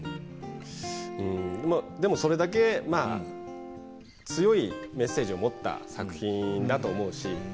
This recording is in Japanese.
うん、でもそれだけ強いメッセージを持った作品だと思うし。